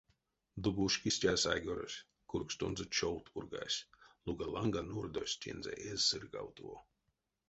Дубушки стясь айгорось, кургстонзо човт пургась — луга ланга нурдось тензэ эзь сыргавтово.